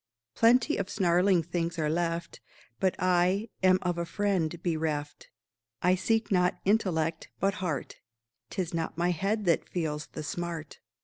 Plenty of snarling things are left, But I am of a friend bereft; I seek not intellect, but heart 'Tis not my head that feels the smart.